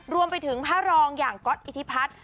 รวมไปถึงพระรองอย่างก๊อตอิทธิพัฒน์